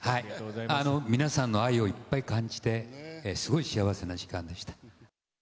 皆さんの愛をいっぱい感じて、すごい幸せな時間でした。